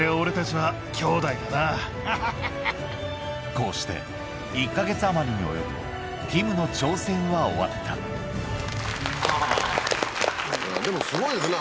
こうして１か月余りに及ぶティムの挑戦は終わったでもすごいですね